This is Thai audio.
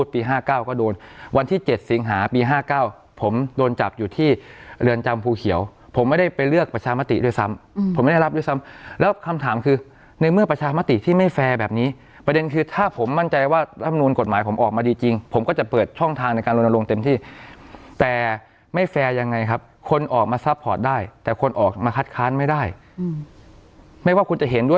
ปัจฉมติเนี่ยผมติดคุกเพราะลดนโรงไม่รับร่างเราพูดถึงเรื่องเนื้อหาในรัฐมนุนเราพูดถึงมาตรจังต่างโหมดต่างในรัฐมนุน